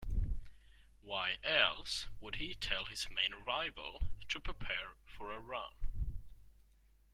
Why else would he tell his main rival to prepare for a run?